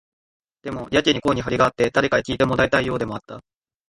でも、やけに声に張りがあって、誰かに聞いてもらいたいようでもあった。